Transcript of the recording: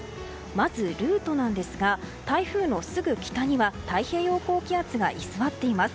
まずルートなんですが台風のすぐ北には太平洋高気圧が居座っています。